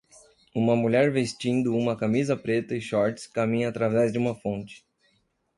Uma mulher vestindo uma camisa preta e shorts caminha através de uma fonte.